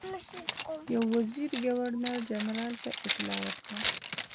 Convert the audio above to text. یو وزیر ګورنر جنرال ته اطلاع ورکړه.